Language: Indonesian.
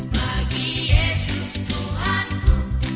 bagi yesus tuhan ku